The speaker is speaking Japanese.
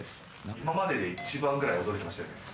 今までで一番ぐらい驚いてましたよね。